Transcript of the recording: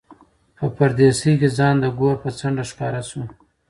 په پردېسۍ کې ځان د ګور په څنډه ښکاره شو.